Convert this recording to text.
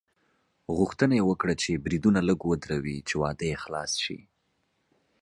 غوښتنه یې وکړه چې بریدونه لږ ودروي چې واده یې خلاص شي.